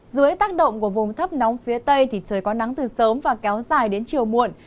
dưới tác động của vùng thấp nóng phía tây thì trời có nắng từ sớm và kéo dài đến chiều muộn